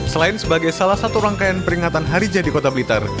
selain sebagai salah satu rangkaian peringatan hari jadi kota blitar